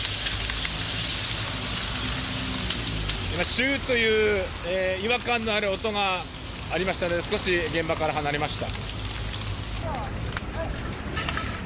シューという違和感のある音がありましたので少し現場から離れました。